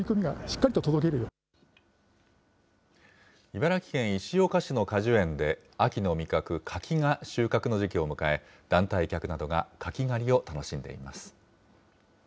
茨城県石岡市の果樹園で、秋の味覚、柿が収穫の時期を迎え、団体客などが柿狩りを楽しんでいます。